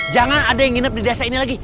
jangan ada yang nginep di desa ini lagi